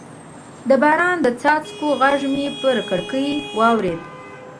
د باران د څاڅکو غږ مې پر کړکۍ واورېد.